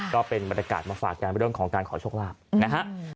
ก็เป็นบรรยากาศมาฝากกันเรื่องของการขอโชคลาภนะฮะ